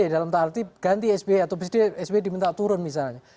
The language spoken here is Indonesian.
dalam arti ganti sbe atau sbe diminta turun misalnya